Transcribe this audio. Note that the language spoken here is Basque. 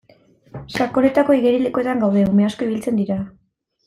Sakonetako igerilekuetan gaude ume asko ibiltzen dira.